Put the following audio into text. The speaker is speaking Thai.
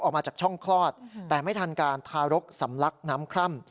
ออกมาจากช่องคลอดแต่ไม่ทันการทารกสำลักน้ำคร่ำ